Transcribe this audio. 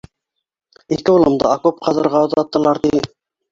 Ике улымды окоп ҡаҙырға оҙаттылар, ти.